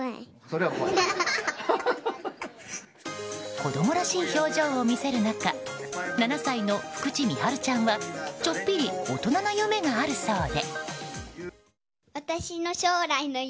子供らしい表情を見せる中７歳の福地美晴ちゃんはちょっぴり大人な夢があるそうで。